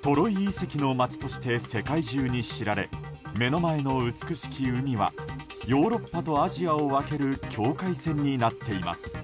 トロイ遺跡の街として世界中に知られ目の前の美しき海はヨーロッパとアジアを分ける境界線になっています。